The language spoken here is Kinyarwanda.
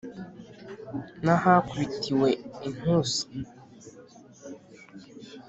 nahakubitiwe intusi